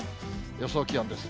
予想気温です。